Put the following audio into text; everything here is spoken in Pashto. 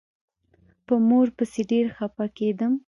په مور پسې ډېر خپه کېدم.